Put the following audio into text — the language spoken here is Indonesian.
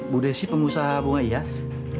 bu desi pengusaha bunga hias